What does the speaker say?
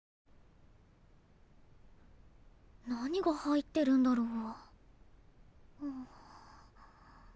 何が入ってるんだろう？